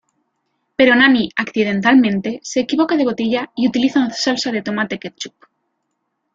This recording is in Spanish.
Pero Nanny, accidentalmente, se equivoca de botella y utilizan salsa de tomate ketchup.